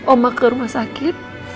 oma ke rumah sakit